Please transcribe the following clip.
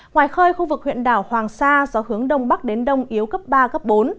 ngoài khơi khu vực huyện đảo hoàng sa gió hướng đông bắc đến đông yếu cấp ba bốn